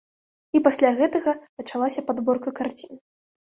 І пасля гэтага пачалася падробка карцін.